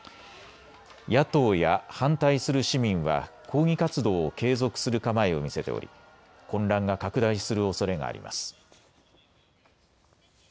野党や反対する市民は抗議活動を継続する構えを見せており混乱が拡大するおそれがあります。